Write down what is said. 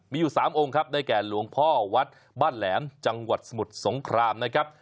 มีอยู่๓องค์ครับได้แก่หลวงพ่อวัดบ้านแหลมจังหวัดสมุทรสงครามนะครับ